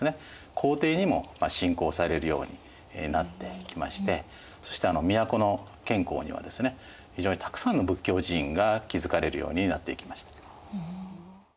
皇帝にも信仰されるようになってきましてそして都の建康にはですね非常にたくさんの仏教寺院が築かれるようになっていきました。